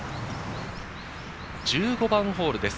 １５番ホールです。